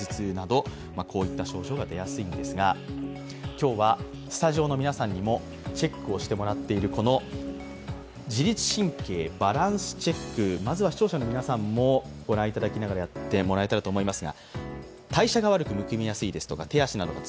今日はスタジオの皆さんにもチェックをしてもらっているこの自律神経バランスチェック、まずは視聴者の皆さんもご覧いただきながらやってもらいたいと思います。